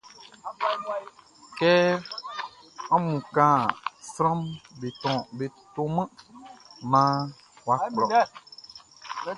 Kɛ ɔ man kanʼn, sranʼm be toman naan wʼa kplɔ.